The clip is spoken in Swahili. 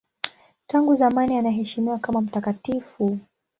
Tangu zamani anaheshimiwa kama mtakatifu.